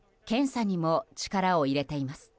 検査にも力を入れています。